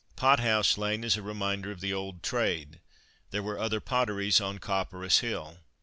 Pothouse lane is a reminder of the old trade. There were other potteries on Copperas hill.